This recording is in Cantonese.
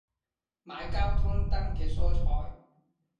買交通燈嘅蔬菜